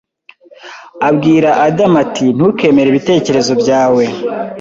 Abwira Adamu ati Ntukemere ibitekerezo byawe